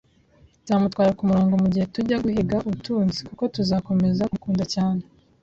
Nzamutwara kumurongo mugihe tujya guhiga ubutunzi, kuko tuzakomeza kumukunda cyane